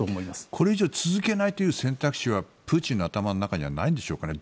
これ以上続けないという選択肢はプーチンの頭の中にはないんでしょうかね？